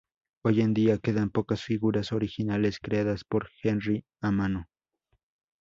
Hoy en día quedan pocas figuras originales creadas por Henry a mano.